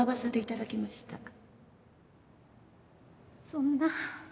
そんな。